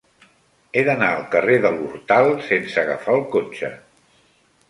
He d'anar al carrer de l'Hortal sense agafar el cotxe.